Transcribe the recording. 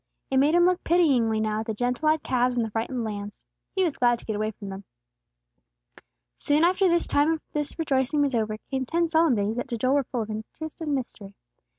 It made him look pityingly now at the gentle eyed calves and the frightened lambs. He was glad to get away from them. Soon after the time of this rejoicing was over, came ten solemn days that to Joel were full of interest and mystery.